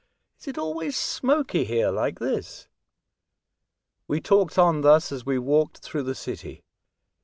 Is it always smoky here like this ?" We talked on thus as we walked through the City.